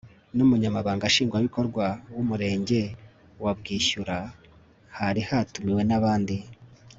n'umunyamabanga nshingwabikorwa w'umurenge wa bwishyura. hari hatumiwe n'abandi